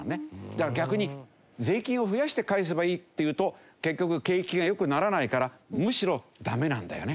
だから逆に税金を増やして返せばいいっていうと結局景気が良くならないからむしろダメなんだよね。